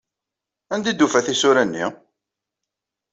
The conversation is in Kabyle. Anda i d-tufa tisura-nni?